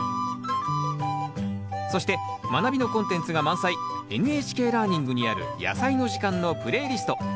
そして「まなび」のコンテンツが満載「ＮＨＫラーニング」にある「やさいの時間」のプレイリスト。